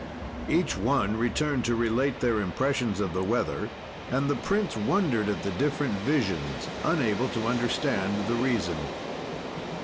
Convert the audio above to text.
"Each one returned to relate their impressions of the weather, and the prince wondered at the different visions, unable to understand the reason."